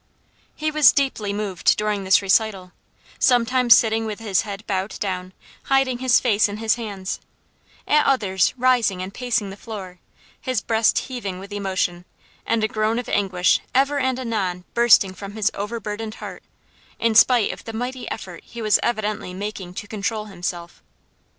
He was deeply moved during this recital, sometimes sitting with his head bowed down, hiding his face in his hands; at others, rising and pacing the floor, his breast heaving with emotion, and a groan of anguish ever and anon bursting from his overburdened heart, in spite of the mighty effort he was evidently making to control himself.